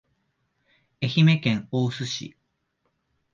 愛媛県大洲市